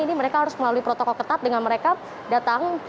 ini mereka harus melalui protokol ketat dengan mereka datang